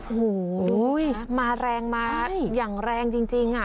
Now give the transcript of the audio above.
โอ้โฮดูสินะมาแรงมาอย่างแรงจริงอ่ะ